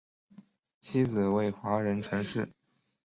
妻子为华人陈氏。